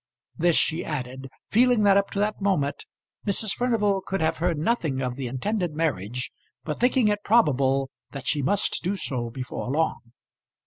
This she added; feeling that up to that moment Mrs. Furnival could have heard nothing of the intended marriage, but thinking it probable that she must do so before long.